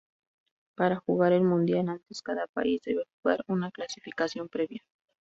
Para jugar el mundial antes cada país debe jugar una clasificación previa.